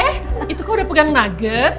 eh itu kok udah pegang nugget